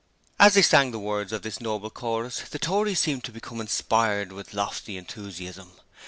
As they sang the words of this noble chorus the Tories seemed to become inspired with lofty enthusiasm.